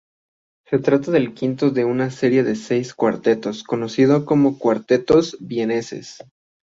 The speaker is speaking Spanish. Se trata del quinto de una serie de seis cuartetos, conocidos como "Cuartetos vieneses".